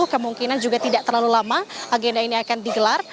kemungkinan juga tidak terlalu lama agenda ini akan digelar